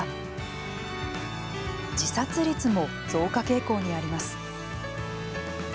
自殺率も増加傾向にあります。